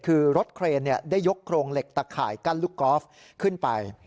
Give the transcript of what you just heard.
คือรถเครนได้ยกโครงเหล็กตะข่ายกั้นลูกกอล์ฟขึ้นไป